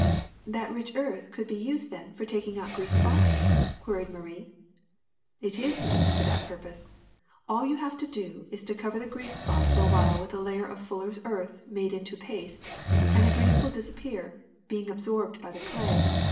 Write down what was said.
''*^ That rich earth could be used then for taking out grease spots?" queried Marie. *^It is used for that purpose. All you have to do is to cover the grease spot for a while with a layer of fullers' earth made into paste, iand the grease will disappear, being absorbed by the clay.